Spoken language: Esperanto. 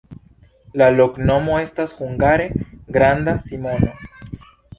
La loknomo estas hungare: granda Simono.